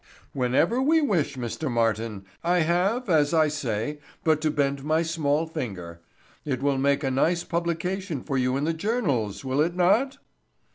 "Whenever we wish, Mr. Martin. I have, as I say, but to bend my small finger. It will make a nice publication for you in the journals, will it not?"